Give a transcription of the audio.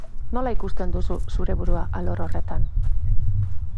Nola ikusten duzu zure burua alor horretan?